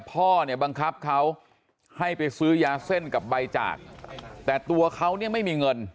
พ่อเนี่ยบังคับเขาให้ไปซื้อยาเส้นกับใบจากแต่ตัวเขาเนี่ยไม่มีเงิน